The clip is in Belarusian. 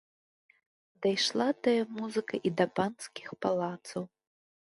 Дайшла тая музыка і да панскіх палацаў.